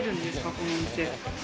このお店。